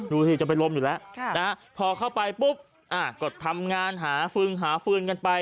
ดูสิจะไปลมอยู่แล้วพอเข้าไปปุ๊บก็ทำงานหาฟึงหาฟืนกันไป